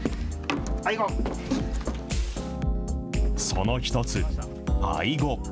その一つ、アイゴ。